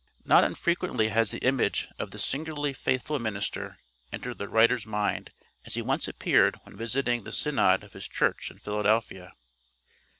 Not unfrequently has the image of this singularly faithful minister entered the writer's mind as he once appeared when visiting the Synod of his church in Philadelphia.